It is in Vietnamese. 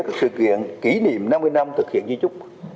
các sự kiện kỷ niệm năm mươi năm thực hiện di trúc